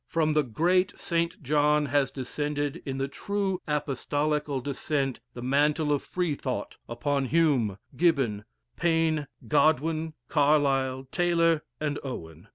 From the great St. John has descended in the true apostolical descent the mantle of Free thought upon Hume, Gibbon, Paine, Godwin, Carlile, Taylor, and Owen.